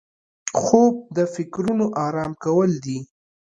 خوب د فکرونو آرام کول دي